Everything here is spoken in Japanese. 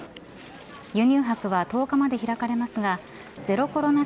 輸入博は１０日まで開かれますがゼロコロナ